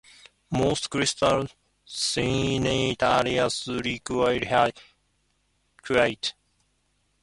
Most crystal scintillators require high-purity chemicals and sometimes rare-earth metals that are fairly expensive.